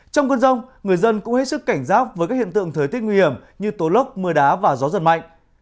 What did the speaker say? trong cơn rông người dân cũng hết sức cảnh giác với các hiện tượng thời tiết nguy hiểm như tố lốc mưa đá và gió giật mạnh